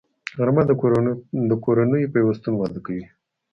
غرمه د کورنیو پیوستون وده کوي